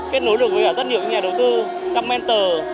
kết nối được với rất nhiều nhà đầu tư các mentor